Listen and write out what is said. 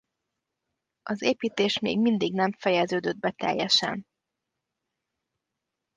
Az építés még mindig nem fejeződött be teljesen.